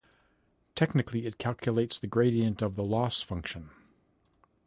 Technically it calculates the gradient of the loss function.